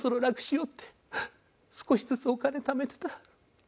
少しずつお金ためてた。